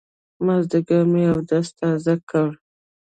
مازيګر مې اودس تازه کړ.